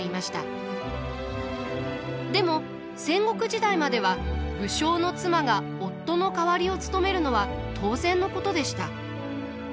でも戦国時代までは武将の妻が夫の代わりを務めるのは当然のことでした。